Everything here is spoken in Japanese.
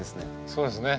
そうですね。